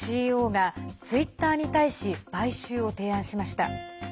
ＣＥＯがツイッターに対し買収を提案しました。